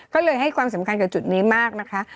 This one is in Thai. ก็เลยให้ความสำคัญกับจุดนี้มากนะคะ